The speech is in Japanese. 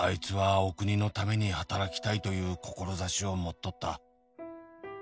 「お国のために働きたいという志を持っとった」